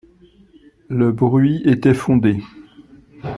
Le bruit était fondé.